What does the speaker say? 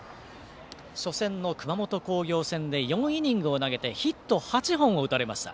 初戦の熊本工業戦で４イニングを投げてヒット８本を打たれました。